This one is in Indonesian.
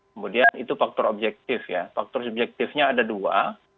kemudian itu faktor objektif ya faktor subjektifnya ada dua